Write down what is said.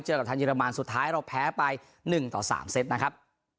กับทางเรมันสุดท้ายเราแพ้ไป๑ต่อ๓เซตนะครับ